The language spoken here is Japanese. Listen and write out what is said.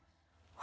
あ！